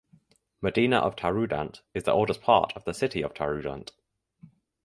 Medina of Taroudant is the oldest part of the city of Taroudant.